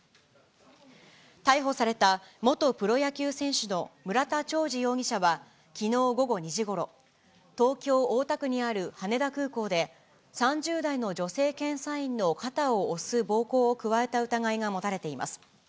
逮捕された元プロ野球選手の村田兆治容疑者はきのう午後２時ごろ、東京・大田区にある羽田空港で、３０代の女性検査員の肩を押す暴行を加えた疑いが持たれています。